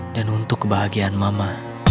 dan untuk kebahagiaan mama